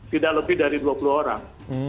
tidak lebih dari dua puluh orang